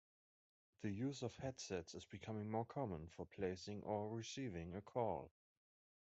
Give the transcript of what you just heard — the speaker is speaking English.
The use of headsets is becoming more common for placing or receiving a call.